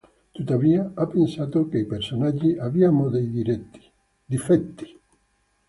Tuttavia, ha pensato che i personaggi abbiamo dei difetti.